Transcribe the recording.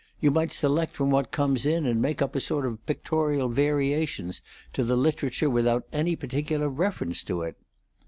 You might select from what comes in and make up a sort of pictorial variations to the literature without any particular reference to it.